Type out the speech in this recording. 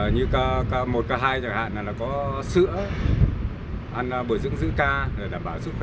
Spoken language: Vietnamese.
như k một k hai chẳng hạn là có sữa ăn bồi dưỡng giữ ca để đảm bảo sức khỏe